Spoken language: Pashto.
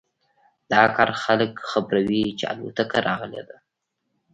دا کار خلک خبروي چې الوتکه راغلی ده